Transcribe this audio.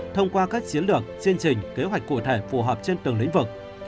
thông qua các chiến lược chương trình kế hoạch cụ thể phù hợp trên từng lĩnh vực